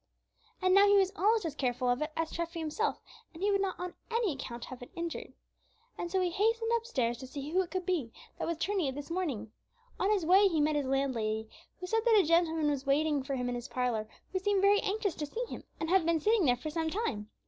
And now he was almost as careful of it as Treffy himself, and he would not on any account have it injured. And so he hastened upstairs to see who it could be that was turning it this morning. On his way he met his landlady, who said that a gentleman was waiting for him in his parlor, who seemed very anxious to see him, and had been sitting there for some time.